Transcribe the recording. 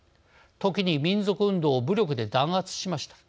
時に民族運動を武力で弾圧しました。